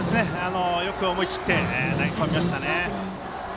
よく思い切って投げ込みましたね。